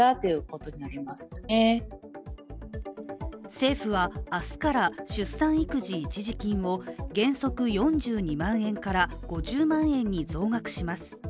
政府は明日から出産育児一時金を原則４２万円から５０万円に増額します。